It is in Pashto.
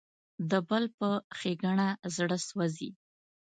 د بل په ښېګڼه زړه سوځي.